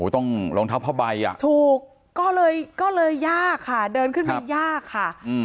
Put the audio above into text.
ต้องรองเท้าพ่อใบถูกก็เลยยากค่ะเดินขึ้นไปยากค่ะ